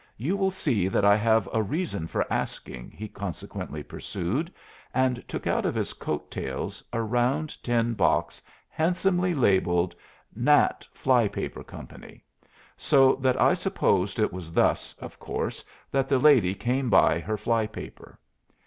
"You will see that I have a reason for asking," he consequently pursued, and took out of his coat tails a round tin box handsomely labelled "Nat. Fly Paper Co.," so that I supposed it was thus, of course, that the lady came by her fly paper.